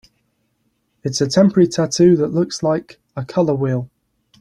It's a temporary tattoo that looks like... a color wheel?